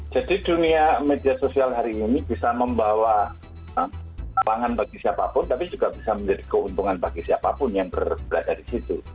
jadi dunia media sosial hari ini bisa membawa kelelangan bagi siapapun tapi juga bisa menjadi keuntungan bagi siapapun yang berada di situ